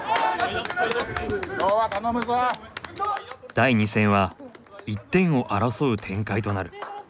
第２戦は１点を争う展開となる。